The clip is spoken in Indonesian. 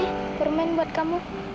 ini permen buat kamu